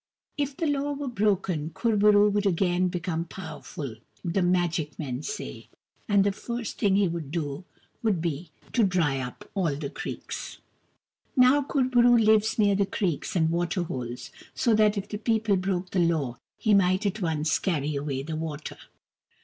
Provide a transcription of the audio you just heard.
If the law were broken, Kur bo roo would again become powerful, the magic men say ; and the first thing he would do would be to dry up all the creeks. Now, Kur bo roo lives near the creeks and water holes, so that if the people broke the law he might at once carry away the water.